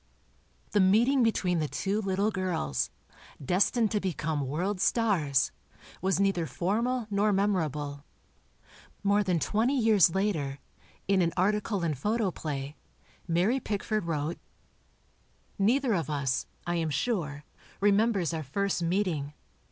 The meeting between the two little girls, destined to become world stars, was neither formal nor memorable. More than twenty years later, in an article in Photoplay, Mary Pickford wrote: Neither of us, I am sure, remembers our first meeting.